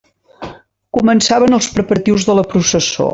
Començaven els preparatius de la processó.